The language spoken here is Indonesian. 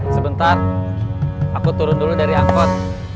sebentar aku turun dulu dari angkot